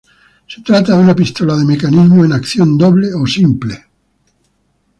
Se trata de una pistola de mecanismo en acción doble o simple.